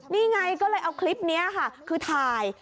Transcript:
นี่ไงก็เลยเอาคลิปนี้ค่ะคือถ่าย